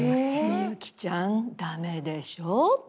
「みゆきちゃん駄目でしょ」って。